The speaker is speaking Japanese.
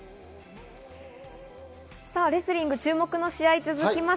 レスリング注目の試合が続きます。